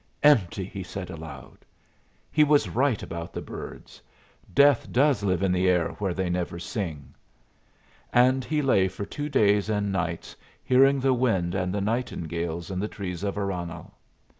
Empty!" he said, aloud. "He was right about the birds. Death does live in the air where they never sing." And he lay for two days and nights hearing the wind and the nightingales in the trees of Aranhal.